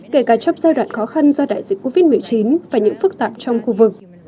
kể cả trong giai đoạn khó khăn do đại dịch covid một mươi chín và những phức tạp trong khu vực